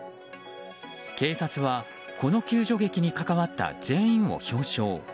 警察はこの救助劇に関わった全員を表彰。